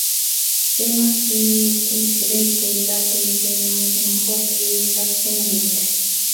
They must be insulated, that is, they must not be suspended.